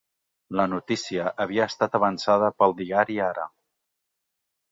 La notícia havia estat avançada pel diari Ara.